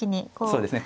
そうですね。